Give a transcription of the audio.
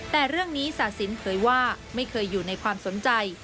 แต่เรื่องนี้ศาสินเผยว่าไม่เคยอยู่ในความสนใจ